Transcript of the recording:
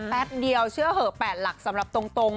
แป๊บเดียวเชื่อเหอะ๘หลักสำหรับตรง